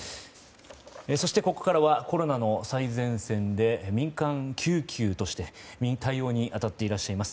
そして、ここからはコロナの最前線で民間救急として対応に当たっていらっしゃいます